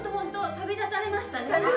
旅立たれましたね。